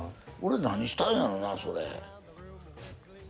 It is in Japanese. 俺何したんやろうなそれ。